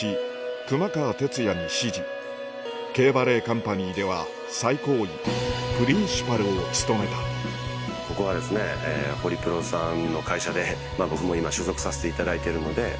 熊川哲也に師事Ｋバレエカンパニーでは最高位プリンシパルを務めたここはですねホリプロさんの会社で僕も今所属させていただいてるので。